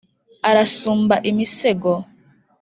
arasumba imisego